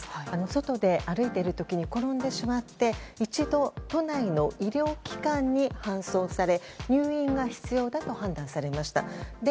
外で歩いている時に転んでしまって一度、都内の医療機関に搬送され入院が必要だと判断されました。